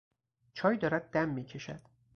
چای دارد دم میکشد.